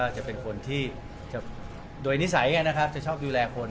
จะเป็นคนที่โดยนิสัยนะครับจะชอบดูแลคน